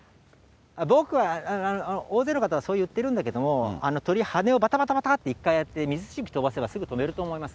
僕は、大勢の方はそう言ってるんだけど、鳥、羽をばたばたばたって一回やって、水しぶき飛ばせば、すぐ飛べると思います。